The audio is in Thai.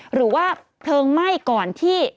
หรือว่าเพลิงไหม้ก่อนที่